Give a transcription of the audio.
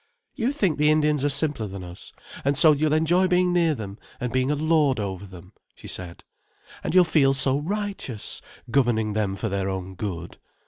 "You think the Indians are simpler than us, and so you'll enjoy being near them and being a lord over them," she said. "And you'll feel so righteous, governing them for their own good.